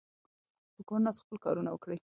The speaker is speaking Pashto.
په کور ناست خپل کارونه وکړئ.